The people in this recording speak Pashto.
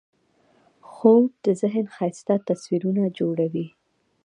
خوب د ذهن ښایسته تصویرونه جوړوي